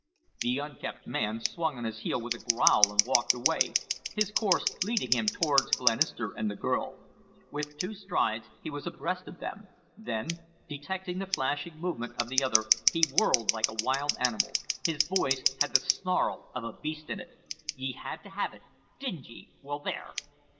The unkempt man swung on his heel with a growl and walked away, his course leading him towards Glenister and the girl. With two strides he was abreast of them; then, detecting the flashing movement of the other, he whirled like a wild animal. His voice had the snarl of a beast in it. "Ye had to have it, didn't ye? Well, there!"